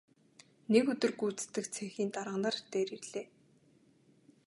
Нэг өдөр гүйцэтгэх цехийн дарга над дээр ирлээ.